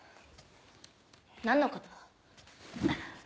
何のこと？